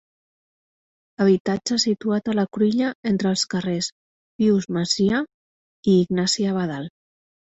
Habitatge situat a la cruïlla entre els carrers Pius Macià i Ignasi Abadal.